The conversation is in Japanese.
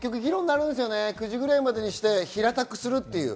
９時ぐらいまでにして平たくする。